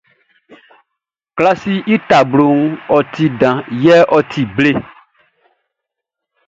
Klasiʼn i tabloʼn ti dan yɛ ɔ ti ble.